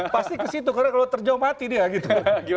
pasti ke situ karena kalau terjauh mati dia gitu